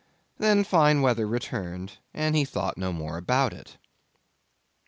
Then fine weather returned, and he thought no more about It.